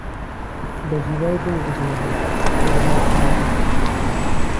بەهیوان بگرمێنێ هەوری بەهاری